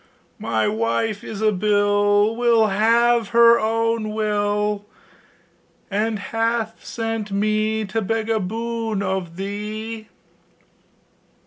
My wife Ilsabill Will have her own will, And hath sent me to beg a boon of thee!